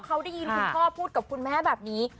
เขาได้ยินคุณพ่อพูดกับคุณแม่แบบนี้